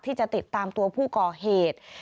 ที่จะติดตามตัวผู้ก่อเหตุ